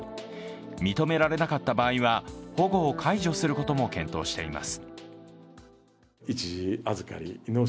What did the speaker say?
認められなかった場合は保護を解除することも検討しています。